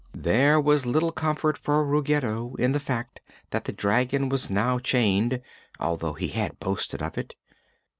There was little comfort for Ruggedo in the fact that the dragon was now chained, although he had boasted of it.